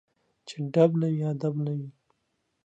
چي ډب نه وي ، ادب نه وي